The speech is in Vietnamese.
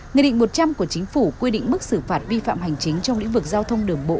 nghị định một trăm linh của chính phủ quy định mức xử phạt vi phạm hành chính trong lĩnh vực giao thông đường bộ